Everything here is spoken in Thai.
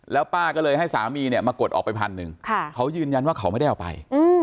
แล้วป้าก็เลยให้สามีมากดออกไป๑๐๐๐เขายืนยันว่าเขาไม่ได้เอาไป